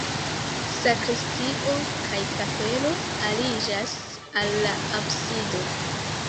Sakristio kaj kapelo aliĝas al la absido.